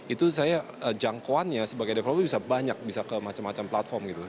itu saya jangkauannya sebagai developer bisa banyak bisa ke macam macam platform gitu